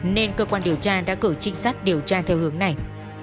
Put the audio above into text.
nên cơ quan điều tra đã cử chính sách điều tra theo hướng này